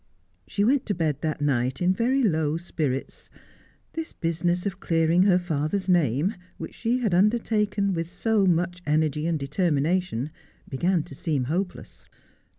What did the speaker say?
She went to bed that night in very low spirits. This business of clearing her father's name, which she had undertaken with so much energy and determination, began to seem hopeless.